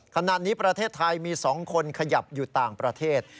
ขณะนี้ประเทศไทยมี๒คนขยับอยู่ต่างประเทศ